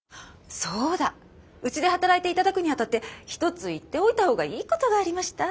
そうだうちで働いて頂くにあたって一つ言っておいたほうがいいことがありました。